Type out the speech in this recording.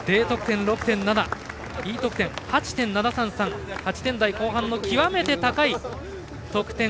Ｄ得点、６．７Ｅ得点８．７３３８点台後半の極めて高い得点。